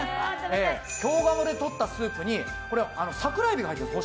京ガモでとったスープに桜エビが入ってるんです。